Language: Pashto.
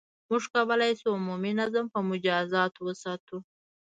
• موږ کولای شو، عمومي نظم په مجازاتو وساتو.